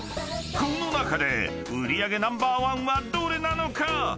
［この中で売り上げナンバーワンはどれなのか⁉］